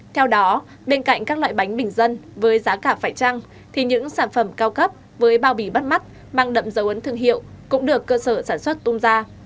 theo đó bên cạnh các loại bánh bình dân với giá cả phải trăng thì những sản phẩm cao cấp với bao bì bắt mắt mang đậm dấu ấn thương hiệu cũng được cơ sở sản xuất tung ra